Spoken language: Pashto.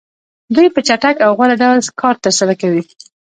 دوی په چټک او غوره ډول کار ترسره کوي